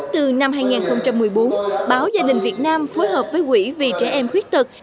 từ năm hai nghìn một mươi bốn báo gia đình việt nam phối hợp với quỹ vì trẻ em khuyết tật